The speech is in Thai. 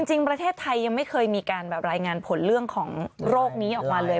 จริงประเทศไทยยังไม่เคยมีการแบบรายงานผลเรื่องของโรคนี้ออกมาเลย